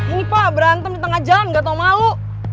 ini apa berantem di tengah jalan gak tau mau